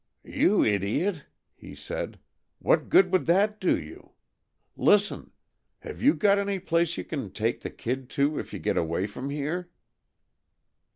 "You idiot!" he said. "What good would that do you? Listen have you got any place you can take the kid to if you get away from here?"